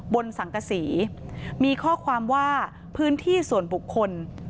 บนสังกษีมีข้อความว่าพื้นที่ส่วนบุคคล